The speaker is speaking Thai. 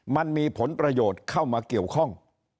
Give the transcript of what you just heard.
มันมีผลประโยชน์เข้ามาเกี่ยวข้อง